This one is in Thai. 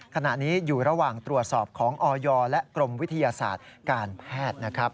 ขณะนี้อยู่ระหว่างตรวจสอบของออยและกรมวิทยาศาสตร์การแพทย์นะครับ